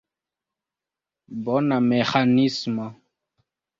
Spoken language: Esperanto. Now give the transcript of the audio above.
Bona meĥanismo!